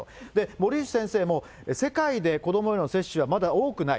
森内先生も世界で子どもへの接種はまだ多くない。